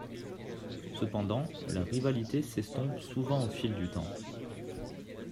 Cependant, la rivalité s'estompe souvent au fil du temps.